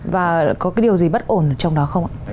và có cái điều gì bất ổn trong đó không ạ